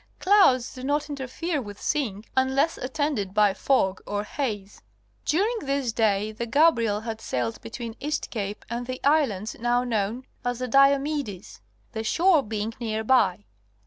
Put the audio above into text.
Clouds do not interfere with seeing, unless attended by fog or haze. During this day the Gabriel had sailed between East Cape and the islands now known as the Dio medes ; the shore being near by.